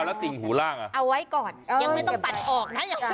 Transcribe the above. เอาไว้ก่อนยังไม่ต้องตัดออกนะ